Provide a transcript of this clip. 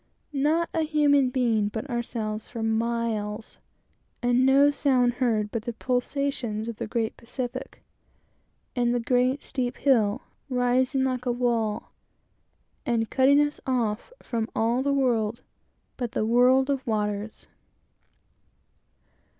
Not a human being but ourselves for miles; and no sound heard but the pulsations of the great Pacific! and the great steep hill rising like a wall, and cutting us off from all the world, but the "world of waters!"